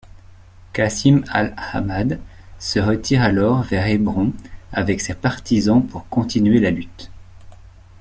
Qasim al-Ahmad se retire alors vers Hébron avec ses partisans pour continuer la lutte.